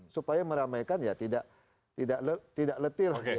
supaya meramaikan ya tidak letih lah